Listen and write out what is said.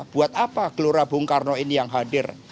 buat apa gelora bung karno ini yang hadir